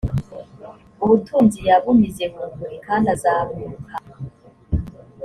ubutunzi yabumize bunguri kandi azaburuka